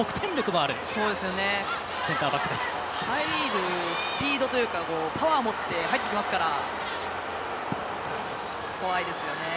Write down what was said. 入るスピードというかパワー持って入ってきますから怖いですよね。